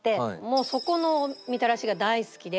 もうそこのみたらしが大好きで。